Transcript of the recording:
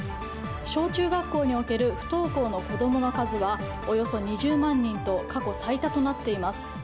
小中学校における不登校の子供の数はおよそ２０万人と過去最多となっています。